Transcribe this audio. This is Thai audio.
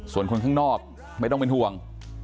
ส่วนคนข้างนอกไม่ต้องเป็นห่วง